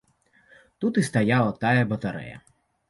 Тут і стаяла тая батарэя.